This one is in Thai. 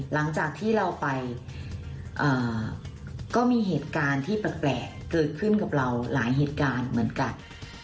หลังจากที่เราไปก็มีเหตุการณ์ที่แปลกเกิดขึ้นกับเราหลายเหตุการณ์เหมือนกัน